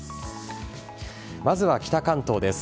まずは北関東です。